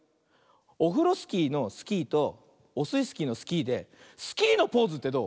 オフロスキーの「スキー」とオスイスキーの「スキー」でスキーのポーズってどう？